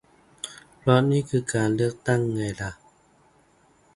เพราะนึ่คือการเลือกตั้งไงล่ะ